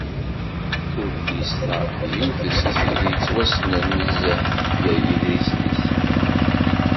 Tullist-a d yiwet si tid yettwassnen nezzeh gar yeḍrisen-is.